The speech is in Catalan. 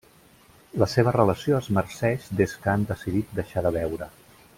La seva relació es marceix des que han decidit deixar de beure.